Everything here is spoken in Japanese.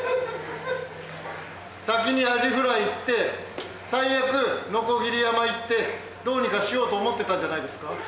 先にアジフライ行って最悪のこぎり山行ってどうにかしようと思ってたんじゃないですか？